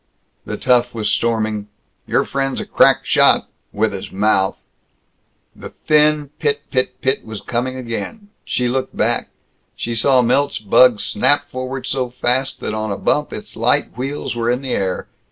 The tough was storming, "Your friend's a crack shot with his mouth!" The thin pit pit pit was coming again. She looked back. She saw Milt's bug snap forward so fast that on a bump its light wheels were in the air.